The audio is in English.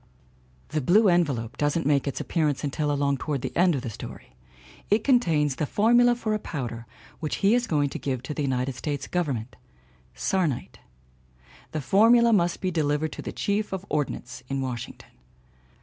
The "Jblue envelope" doesn't make its appearance until along toward the end of the story. It contains the formula for a powder which he is going to give to the United States Government sarnite. The for mula must be delivered to the Chief of Ordnance in Washington.